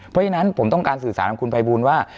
เพราะฉะนั้นผมต้องการสื่อสารกับคุณภัยบูลว่า